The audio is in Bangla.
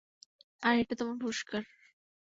আর এটা তোমার পুরস্কার।